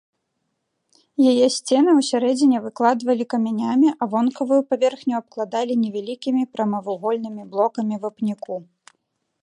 Яе сцены ў сярэдзіне выкладвалі камянямі, а вонкавую паверхню абкладалі невялікімі прамавугольнымі блокамі вапняку.